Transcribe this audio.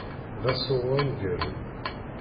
D asuɣu aneggaru.